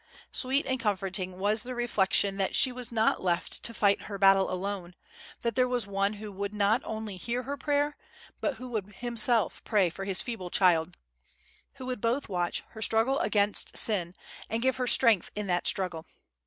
Sweet and comforting was the reflection that she was not left to fight her battle alone, that there was One who would not only hear her prayer, but who would Himself pray for His feeble child—who would both watch her struggle against sin, and give her strength in that struggle.